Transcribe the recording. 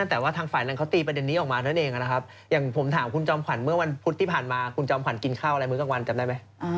ทางฝ่ายนั้นเขาตีประเด็นนี้ออกมาแล้วนั้นเองอะนะครับ